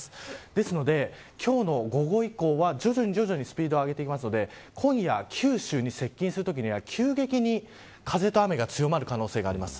ですので、今日の午後以降は徐々にスピードを上げていくので今夜、九州に接近するときには急激に風と雨が強まる可能性があります。